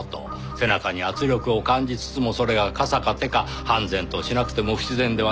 背中に圧力を感じつつもそれが傘か手か判然としなくても不自然ではないと思いますよ。